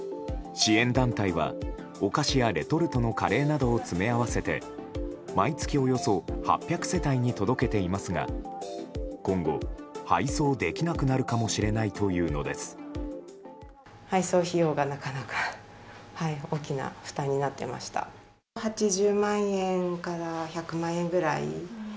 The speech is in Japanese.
支援団体はお菓子やレトルトのカレーなどを詰め合わせて毎月およそ８００世帯に届けていますが、今後配送できなくなるかもしれないというのです。